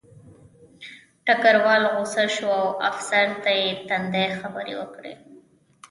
ډګروال غوسه شو او افسر ته یې تندې خبرې وکړې